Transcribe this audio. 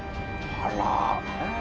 あら。